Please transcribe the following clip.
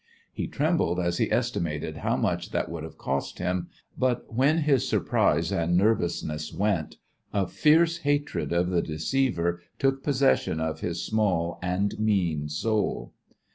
He trembled as he estimated how much that would have cost him; but when his surprise and nervousness went a fierce hatred of the deceiver took possession of his small and mean soul.